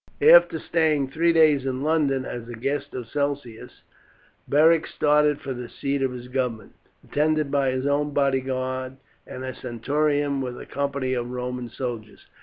After staying three days in London as the guest of Celsius, Beric started for the seat of his government, attended by his own bodyguard and a centurion with a company of Roman soldiers.